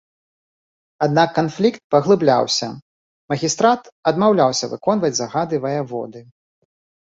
Аднак канфлікт паглыбляўся, магістрат адмаўляўся выконваць загады ваяводы.